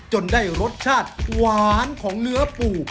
ได้รสชาติหวานของเนื้อปู